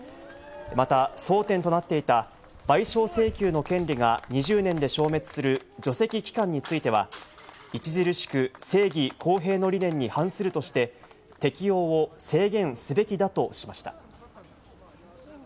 また、争点となっていた、賠償請求の権利が２０年で消滅する除斥期間については、著しく正義・公平の理念に反するとして、適用を制限すべきだとしました。